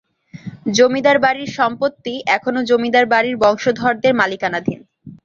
জমিদার বাড়ির সম্পত্তি এখনো জমিদার বাড়ির বংশধরদের মালিকানাধীন।